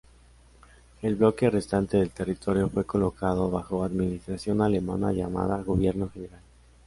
El bloque restante del territorio fue colocado bajo una administración alemana llamada Gobierno General.